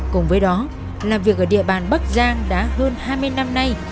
cùng với đó làm việc ở địa bàn bắc giang đã hơn hai mươi năm nay